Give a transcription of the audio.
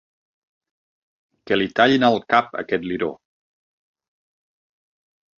Que li tallin el cap a aquest liró!